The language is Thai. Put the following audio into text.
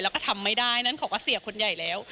แล้วก็ทำไม่ได้นั้นเขาก็เสียคนใหญ่แล้ว